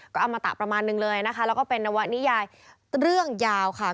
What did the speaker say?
ก็อมตะประมาณนึงเลยนะคะแล้วก็เป็นนวนิยายเรื่องยาวค่ะ